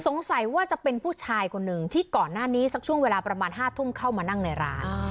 สงสัยว่าจะเป็นผู้ชายคนหนึ่งที่ก่อนหน้านี้สักช่วงเวลาประมาณ๕ทุ่มเข้ามานั่งในร้าน